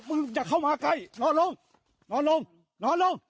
มึงอย่าเข้ามาใกล้นอนลงนอนลงนอนลง